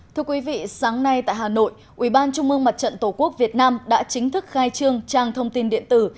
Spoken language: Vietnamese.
thưa quý vị sáng nay tại hà nội ubnd tổ quốc việt nam đã chính thức khai trương trang thông tin điện tử